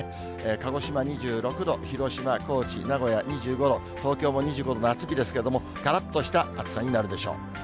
鹿児島２６度、広島、高知、名古屋、２５度、東京も２５度、夏日ですけれども、からっとした暑さになるでしょう。